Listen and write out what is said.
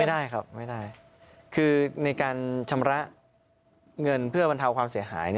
ไม่ได้ครับไม่ได้คือในการชำระเงินเพื่อบรรเทาความเสียหาย